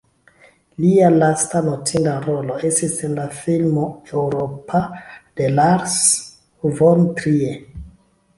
Lia lasta notinda rolo estis en la filmo "Eŭropa" de Lars von Trier.